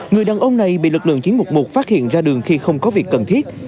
người đàn ông này bị lực lượng chiến mục một phát hiện ra đường khi không có việc cần thiết